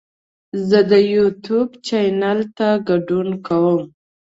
زه د یوټیوب چینل ته ګډون کوم.